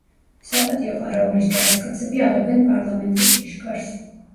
საპატიო ყარაულის ჯარისკაცები აღებენ პარლამენტის ჭიშკარს.